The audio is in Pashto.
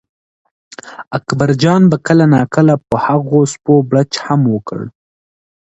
اکبرجان به کله ناکله په هغو سپو بړچ هم وکړ.